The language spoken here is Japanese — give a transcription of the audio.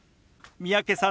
三宅さん